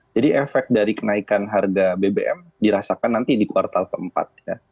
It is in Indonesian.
jadi efek dari kenaikan harga bbm dirasakan nanti di kuartal keempat ya